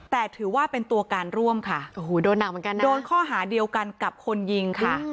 แต่ถือว่าเป็นตัวการร่วมค่ะโดนข้อหาเดียวกันกับคนยิงค่ะ